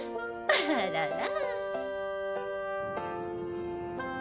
あらら。